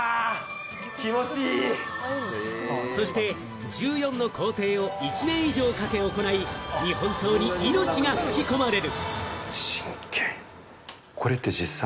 そして１４の工程を１年以上かけて行い、日本刀に命が吹き込まれる。